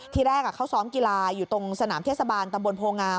ทีแรกเขาซ้อมกีฬาอยู่ตรงสนามเทศบาลตำบลโพงาม